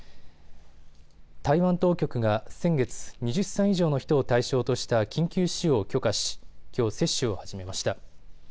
台湾当局が先月、２０歳以上の人を対象とした緊急使用を許可しきょう接種を始めました。